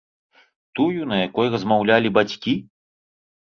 Тую, на якой размаўлялі бацькі?